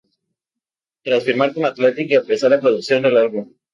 Tras firmar con Atlantic, empezó con la producción del álbum.